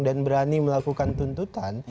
dan berani melakukan tuntutan